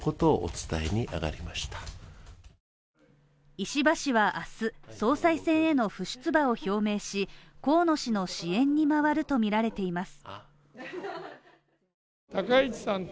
石破氏は明日、総裁選への不出馬を表明し河野氏の支援に回るとみられています。